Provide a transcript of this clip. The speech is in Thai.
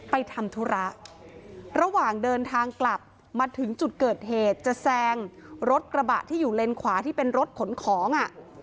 ทำธุระระหว่างเดินทางกลับมาถึงจุดเกิดเหตุจะแซงรถกระบะที่อยู่เลนขวาที่เป็นรถขนของอ่ะ